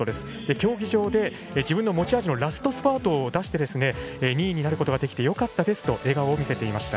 競技場で自分の持ち味のラストスパートを出して、２位になることができてよかったですと笑顔を見せていました。